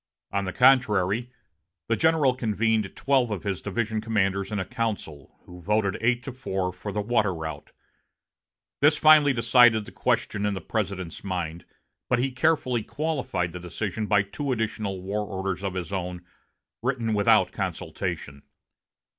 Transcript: On the contrary, the general convened twelve of his division commanders in a council, who voted eight to four for the water route. This finally decided the question in the President's mind, but he carefully qualified the decision by two additional war orders of his own, written without consultation.